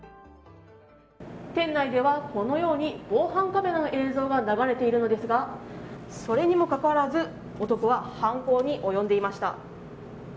店内では防犯カメラの映像が流れているのですがそれにもかかわらず男は犯行に及んでいました。